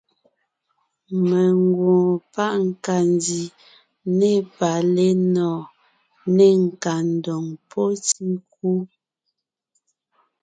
Mengwoon páʼ nkandi ne palénɔɔn, ne nkandoŋ pɔ́ tíkú.